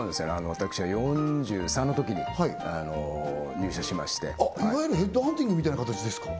私は４３のときに入社しましていわゆるヘッドハンティングみたいな形ですか？